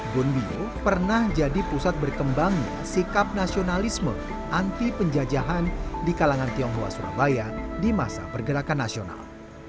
bonbio pernah jadi pusat berkembangnya sikap nasionalisme anti penjajahan di kalangan tionghoa surabaya di masa pergerakan nasional